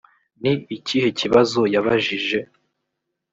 ni ikihe kibazo yabajije